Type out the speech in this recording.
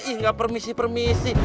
ih gak permisi permisi